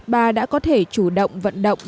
bà đã có thể chủ động vận động